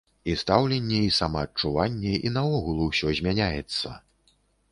І стаўленне, і самаадчуванне, і наогул усё змяняецца.